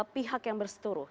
pihak yang berseturuh